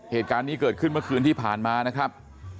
เหตุการณ์นี้เกิดขึ้นเมื่อคืนที่ผ่านมานะครับ